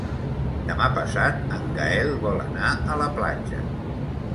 Demà passat en Gaël vol anar a la platja.